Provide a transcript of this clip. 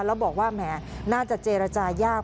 แล้วบอกว่าแหมรู้สึกว่าน่าจะเจรจายาก